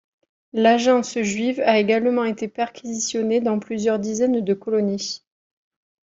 L'Agence juive a également été perquisitionnée dans plusieurs dizaines de colonies.